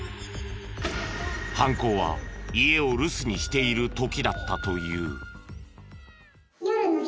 犯行は家を留守にしている時だったという。